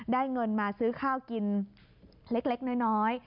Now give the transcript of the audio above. เงินมาซื้อข้าวกินเล็กน้อย